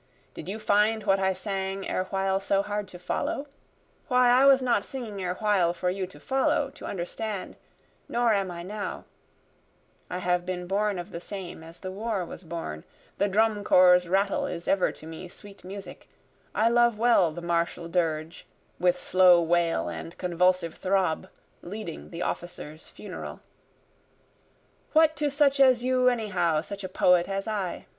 Did you find what I sang erewhile so hard to follow? Why I was not singing erewhile for you to follow, to understand nor am I now; (I have been born of the same as the war was born, The drum corps' rattle is ever to me sweet music, I love well the martial dirge, With slow wail and convulsive throb leading the officer's funeral;) What to such as you anyhow such a poet as I?